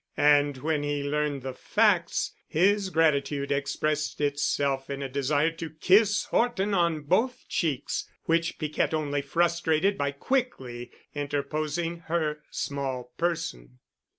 And when he learned the facts, his gratitude expressed itself in a desire to kiss Horton on both cheeks, which Piquette only frustrated by quickly interposing her small person.